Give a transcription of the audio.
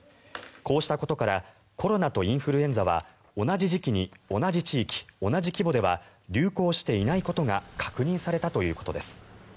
こうしたことからコロナとインフルエンザは同じ時期に同じ地域、同じ規模では流行していないことが確認されたということです。